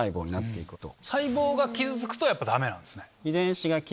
細胞が傷つくとやっぱダメなんですね。